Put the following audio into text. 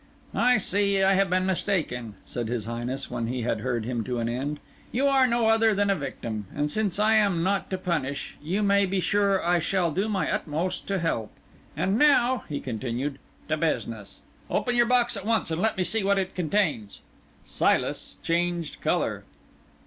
"I see I have been mistaken," said his Highness, when he had heard him to an end. "You are no other than a victim, and since I am not to punish you may be sure I shall do my utmost to help. And now," he continued, "to business. Open your box at once, and let me see what it contains." Silas changed colour.